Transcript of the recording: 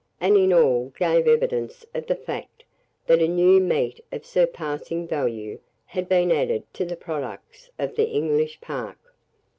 and in all, gave evidence of the fact, that a new meat of surpassing value had been added to the products of the English park.